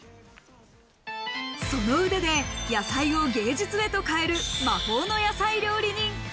その腕で野菜を芸術へと変える、魔法の野菜料理人。